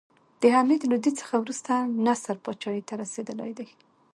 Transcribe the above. حمید لودي څخه وروسته نصر پاچاهي ته رسېدلى دﺉ.